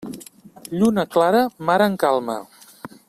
Lluna clara, mar en calma.